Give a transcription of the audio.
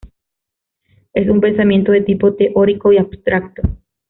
Es un pensamiento de tipo teórico y abstracto.